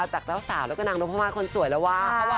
จากเจ้าสาวแล้วก็นางนพม่านคนสวยแล้วว่า